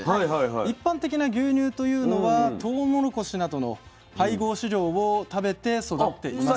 一般的な牛乳というのはトウモロコシなどの配合飼料を食べて育っています。